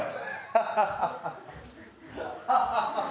ハハハハ！